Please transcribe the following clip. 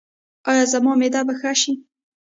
ایا زما معده به ښه شي؟